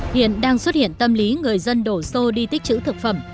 hiện đang xuất hiện tâm lý người dân đổ xô đi tích chữ thực phẩm